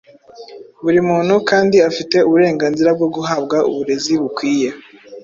Buri muntu kandi afite uburenganzira bwo guhabwa uburezi bukwiye,